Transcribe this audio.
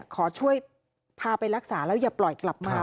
ขอช่วยพาไปรักษาแล้วอย่าปล่อยกลับมา